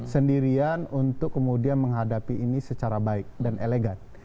sendirian untuk kemudian menghadapi ini secara baik dan elegan